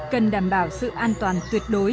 cần đảm bảo sự an toàn tuyệt đối